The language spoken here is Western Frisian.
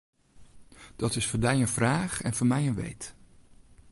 Dat is foar dy in fraach en foar my in weet.